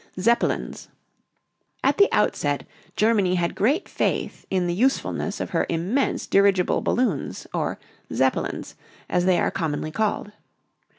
ZEPPELINS. At the outset Germany had great faith in the usefulness of her immense dirigible balloons, or Zep´pelins, as they are commonly called.